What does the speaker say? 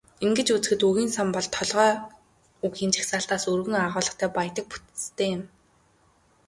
Ингэж үзэхэд, үгийн сан бол толгой үгийн жагсаалтаас өргөн агуулгатай, баялаг бүтэцтэй юм.